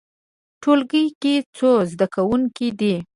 ټولګی کې څو زده کوونکي دي؟